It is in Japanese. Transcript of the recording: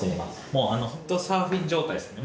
もう本当サーフィン状態ですね。